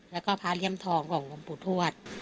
แล้วก็พารีย่ำทองของภูทวช